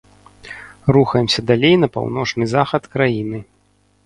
Рухаемся далей на паўночны захад краіны.